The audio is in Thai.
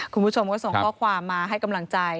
คุณผู้ชมก็ส่งข้อความมาให้กำลังใจ